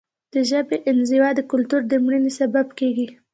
د ژبې انزوا د کلتور د مړینې سبب کیږي.